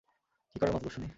কী করার মতলব শুনি?